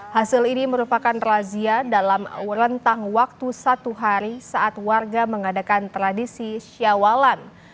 hasil ini merupakan razia dalam rentang waktu satu hari saat warga mengadakan tradisi syawalan